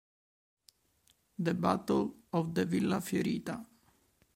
The Battle of the Villa Fiorita